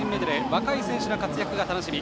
若い選手の活躍が楽しみ。